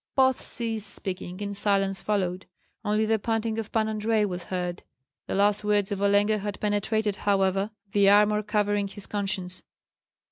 Both ceased speaking, and silence followed; only the panting of Pan Andrei was heard. The last words of Olenka had penetrated, however, the armor covering his conscience.